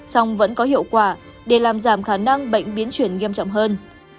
song vẫn có hiệu quả để làm giảm khả năng bệnh biến chuyển nghiêm trọng hơn